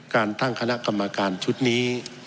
การตั้งคณะกรรมการชุดนี้